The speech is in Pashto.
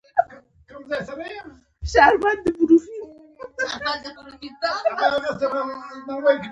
د شرابو یوه ګیلاس زما ژوند له مرګ وژغوره